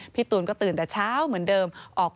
พี่ตูนก็ตื่นแต่เช้าเหมือนเดิม